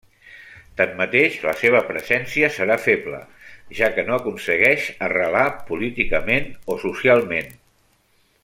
Tanmateix la seva presència serà feble, ja que no aconsegueix arrelar políticament o socialment.